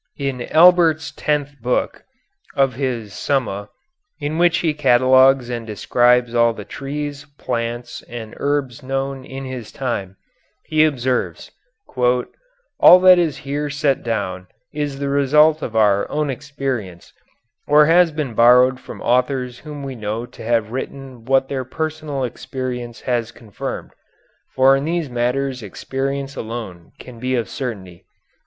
In Albert's tenth book (of his "Summa"), in which he catalogues and describes all the trees, plants, and herbs known in his time, he observes: "All that is here set down is the result of our own experience, or has been borrowed from authors whom we know to have written what their personal experience has confirmed; for in these matters experience alone can be of certainty."